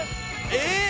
「えっ！？